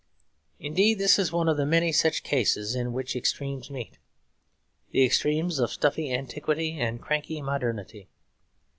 Indeed, this is one of the many such cases in which extremes meet; the extremes of stuffy antiquity and cranky modernity.